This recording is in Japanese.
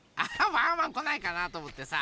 ワンワンこないかなとおもってさ